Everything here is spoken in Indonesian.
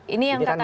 ini yang katanya